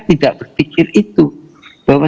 tidak berpikir itu bahwa